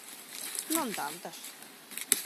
Non tantas.